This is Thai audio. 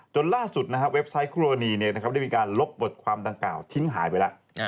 จนล่าสุดเว็บไซต์คู่รณีได้มีการลบบทความดังกล่าวทิ้งหายไปแล้ว